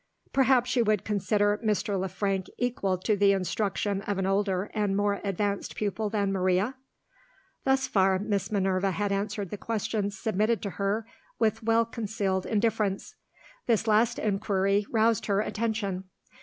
"Perhaps you would consider Mr. Le Frank equal to the instruction of an older and more advanced pupil than Maria?" Thus far, Miss Minerva had answered the questions submitted to her with well concealed indifference. This last inquiry roused her attention.